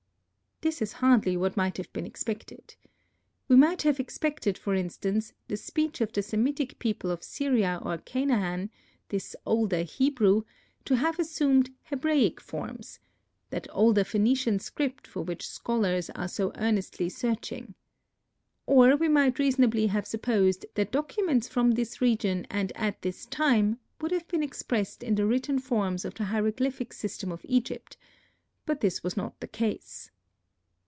This is hardly what might have been expected. We might have expected, for instance, the speech of the Semitic people of Syria or Canaan—this older Hebrew—to have assumed Hebraic forms; that older Phœnician script for which scholars are so earnestly searching. Or we might reasonably have supposed that documents from this region and at this time would have been expressed in the written forms of the hieroglyphic system of Egypt; but this was not the case.